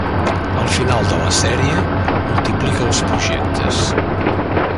Al final de la sèrie, multiplica els projectes.